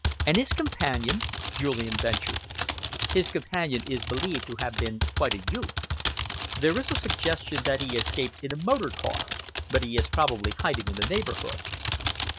"And his companion?" Julian ventured. "His companion is believed to have been quite a youth. There is a suggestion that he escaped in a motor car, but he is probably hiding in the neighbourhood."